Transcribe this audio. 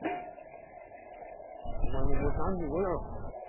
お前ももう３５だろ。